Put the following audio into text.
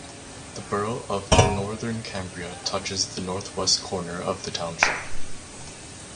The borough of Northern Cambria touches the northwest corner of the township.